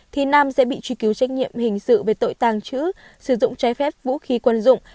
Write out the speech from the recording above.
thì nam sẽ bị truy cứu trách nhiệm hình sự về tội tàng trữ sử dụng trái phép vũ khí quân dụng